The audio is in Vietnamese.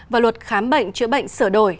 và luật khám bệnh chữa bệnh sửa đổi